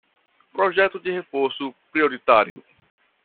Projeto de reforço prioritário